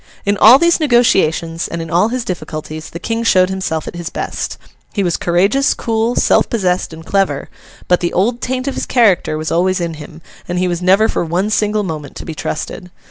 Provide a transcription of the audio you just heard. In all these negotiations, and in all his difficulties, the King showed himself at his best. He was courageous, cool, self possessed, and clever; but, the old taint of his character was always in him, and he was never for one single moment to be trusted.